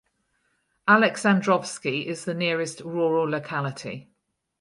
Alexandrovsky is the nearest rural locality.